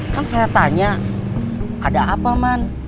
kan saya tanya ada apa man